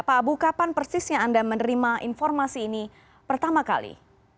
pak abu kapan persisnya anda menerima informasi ini pertama kali